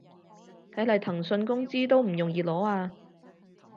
睇來騰訊工資都唔容易攞啊